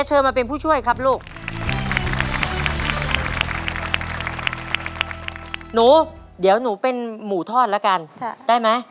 เอาผู้ช่วยด้วยไหม